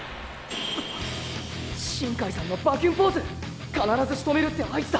新開さんのバキュンポーズ必ずしとめるって合図だ！